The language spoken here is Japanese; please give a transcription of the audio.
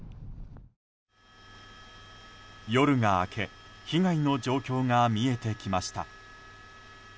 夜が明け被害の状況が見えてきました。